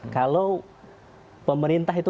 kalau pemerintah itu